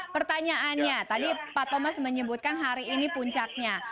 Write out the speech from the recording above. pertanyaannya tadi pak thomas menyebutkan hari ini puncaknya